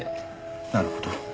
なるほど。